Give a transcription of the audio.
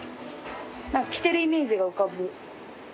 着てるイメージが浮かぶ。